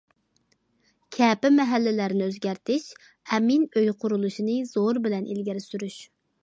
كەپە مەھەللىلەرنى ئۆزگەرتىش، ئەمىن ئۆي قۇرۇلۇشىنى زور بىلەن ئىلگىرى سۈرۈش.